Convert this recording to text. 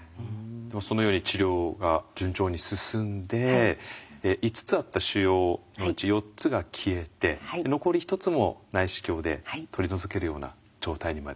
そのように治療が順調に進んで５つあった腫瘍のうち４つが消えて残り１つも内視鏡で取り除けるような状態にまで。